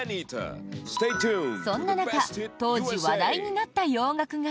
そんな中当時、話題になった洋楽が。